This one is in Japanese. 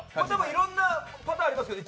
いろんなパターンありますよね、